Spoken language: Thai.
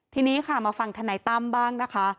ทีนี้ค่ะมาฟังธนายตั้มบ้างนะคะ